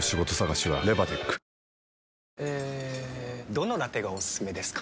どのラテがおすすめですか？